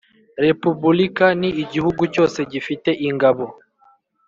Repubulika ni igihugu cyose gifite ingabo